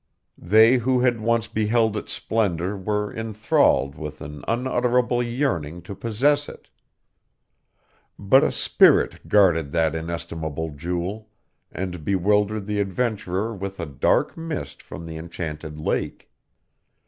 They who had once beheld its splendor were inthralled with an unutterable yearning to possess it. But a spirit guarded that inestimable jewel, and bewildered the adventurer with a dark mist from the enchanted lake.